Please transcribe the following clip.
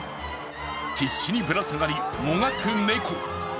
必死にぶら下がり、もがく猫。